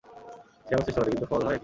সে আবার চেষ্টা করে, কিন্তু ফল হয় একই।